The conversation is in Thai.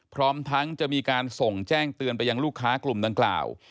พร้อมทั้งจะมีการส่งแจ้งเตือนไปยังลูกค้ากลุ่มดังกล่าว